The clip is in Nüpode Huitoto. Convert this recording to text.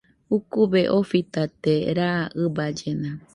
Ukube ofitate raa ɨballena